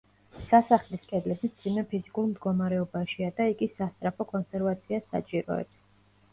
სასახლის კედლები მძიმე ფიზიკურ მდგომარეობაშია და იგი სასწრაფო კონსერვაციას საჭიროებს.